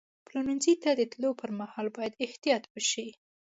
پلورنځي ته د تللو پر مهال باید احتیاط وشي.